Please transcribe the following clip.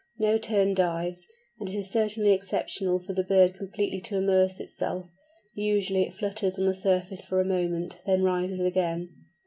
No Tern dives, and it is certainly exceptional for the bird completely to immerse itself; usually it flutters on the surface for a moment, then rises again.